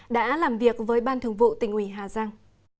đã làm việc với ban thường vụ tỉnh ủy hà giang